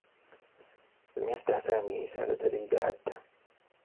لم يفتح سامي رسالة ليلى حتّى.